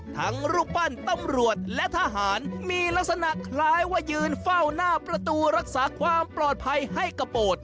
รูปปั้นตำรวจและทหารมีลักษณะคล้ายว่ายืนเฝ้าหน้าประตูรักษาความปลอดภัยให้กระโปรด